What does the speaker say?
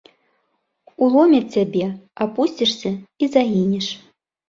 Уломяць цябе, апусцішся і загінеш.